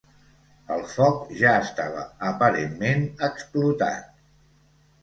El foc ja estava aparentment explotat.